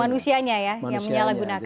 manusianya ya yang menyalahgunakan